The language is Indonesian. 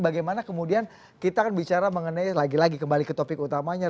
bagaimana kemudian kita akan bicara mengenai lagi lagi kembali ke topik utamanya